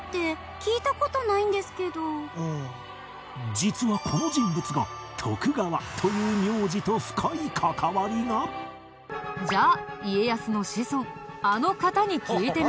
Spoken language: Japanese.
実はこの人物が徳川という名字と深い関わりがじゃあ家康の子孫あの方に聞いてみよう。